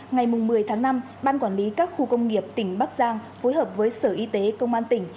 ngày một mươi tháng năm ban quản lý các khu công nghiệp tỉnh bắc giang phối hợp với sở y tế công an tỉnh